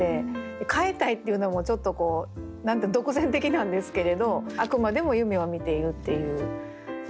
「変えたい」っていうのもちょっと独善的なんですけれどあくまでも夢を見ているっていうそこがいいな。